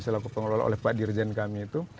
selaku pengelola oleh pak dirjen kami itu